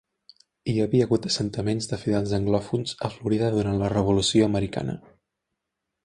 Hi havia hagut assentaments de fidels anglòfons a Florida durant la Revolució Americana.